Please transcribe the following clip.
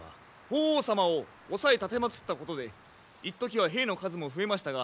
法皇様を押さえ奉ったことで一時は兵の数も増えましたが